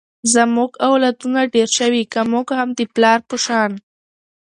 زمونږ اولادونه ډېر شوي ، که مونږ هم د پلار په شان